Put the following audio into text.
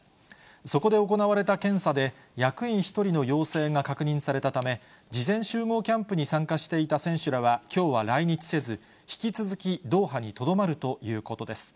そこで行われた検査で、役員１人の陽性が確認されたため、事前集合キャンプに参加していた選手らは、きょうは来日せず、引き続きドーハにとどまるということです。